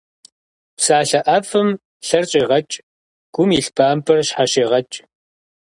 Псалъэ ӏэфӏым лъэр щӏегъэкӏ, гум илъ бампӏэр щхьэщегъэкӏ.